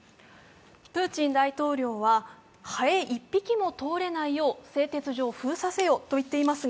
プーチン大統領はハエ１匹も通れないよう製鉄所を封鎖せよと言っています。